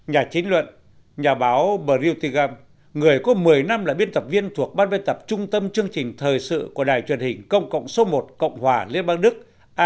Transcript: nhà chính luận nhà báo briel người có một mươi năm là biên tập viên thuộc ban biên tập trung tâm chương trình thời sự của đài truyền hình công cộng số một cộng hòa liên bang đức